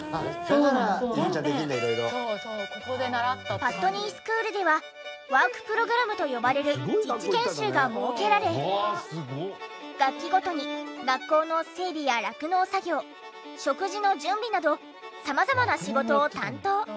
パットニースクールではワークプログラムと呼ばれる実地研修が設けられ学期ごとに学校の整備や酪農作業食事の準備など様々な仕事を担当。